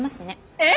えっ？